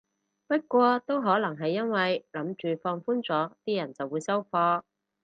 不過都可能係因為諗住放寬咗啲人就會收貨